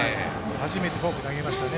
初めてフォーク投げました。